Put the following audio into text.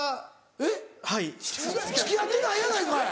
えっ？付き合ってないやないかい。